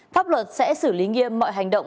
pháp luật sẽ xử lý nghiêm mọi hành động